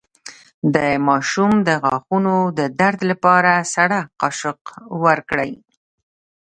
د ماشوم د غاښونو د درد لپاره سړه قاشق ورکړئ